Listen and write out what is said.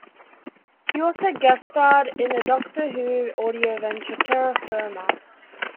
He also guest-starred in the "Doctor Who" audio adventure "Terror Firma".